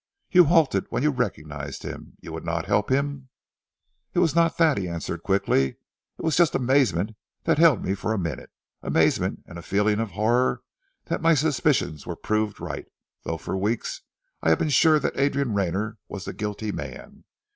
"You halted when you recognized him? You would not help him?" "It was not that," he answered quickly. "It was just amazement that held me for a minute, amazement and a feeling of horror that my suspicions were proved right, though for weeks I have been sure that Adrian Rayner was the guilty man.